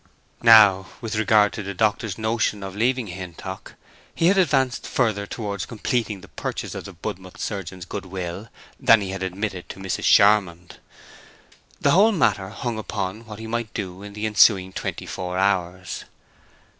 Now, with regard to the doctor's notion of leaving Hintock, he had advanced further towards completing the purchase of the Budmouth surgeon's good will than he had admitted to Mrs. Charmond. The whole matter hung upon what he might do in the ensuing twenty four hours.